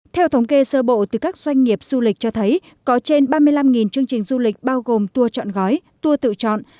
theo thống kê sơ bộ từ các doanh nghiệp du lịch cho thấy có trên ba mươi năm chương trình du lịch bao gồm tour chọn gói tour tự chọn